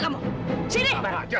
sabar aja sini